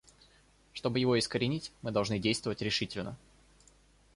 Чтобы его искоренить, мы должны действовать решительно.